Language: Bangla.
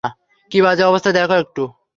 কী বাজে অবস্থা দেখো একটু।